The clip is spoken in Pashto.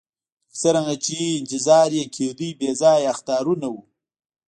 لکه څرنګه چې انتظار یې کېدی بې ځایه اخطارونه وو.